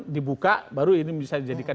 dibuka baru ini bisa dijadikan